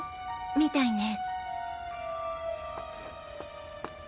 みたいね。